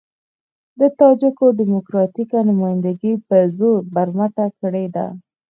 د تاجکو ډيموکراتيکه نمايندګي په زور برمته کړې ده.